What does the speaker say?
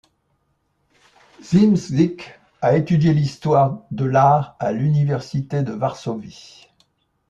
Szymczyk a étudié l'histoire de l'art à l'Université de Varsovie.